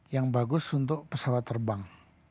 yang bagus untuk pesawat terbang